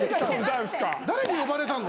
誰に呼ばれたの？